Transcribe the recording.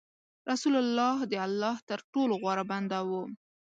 رسول الله د الله تر ټولو غوره بنده و.